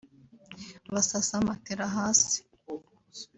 basasa matela hasi